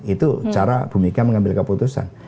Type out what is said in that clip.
itu cara ibu megan mengambil keputusan